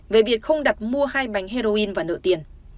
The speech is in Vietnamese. về việc không đặt mua hai bánh heroin và nợ tiền